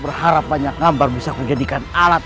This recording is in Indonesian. seharapannya ngambar bisa kujadikan alat